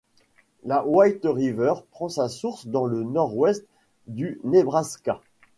La White River prend sa source dans le nord-ouest du Nebraska.